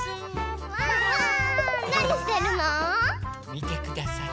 みてください。